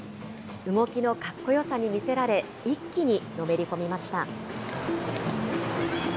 動きのかっこよさに見せられ、一気にのめり込みました。